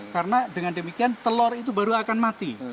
karena dengan demikian telur itu baru akan mati